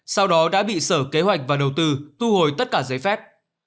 sau đó đã bị sở kế hoạch và đầu tư thu hồi tất cả giấy phép